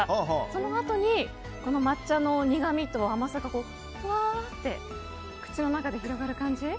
そのあとに、この抹茶の苦みと甘さがふわーって口の中で広がる感じ。